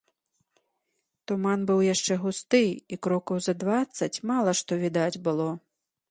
Туман быў яшчэ густы, і крокаў за дваццаць мала што відаць было.